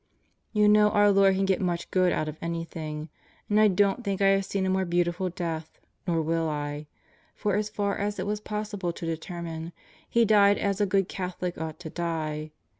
You know our Lord can get much good out of anything. And I don't think I have seen a more beautiful death, nor will I; for as far as it was possible to determine, he died as a good Catholic ought to die.